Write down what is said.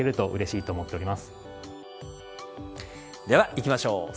ではいきましょう